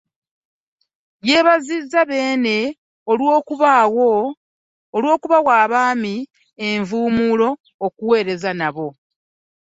Yeebazizza Beene olwokubawa abaami envuumuulo okuweereza nabo